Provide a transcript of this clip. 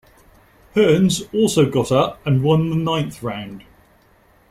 Hearns also got up, and won the ninth round.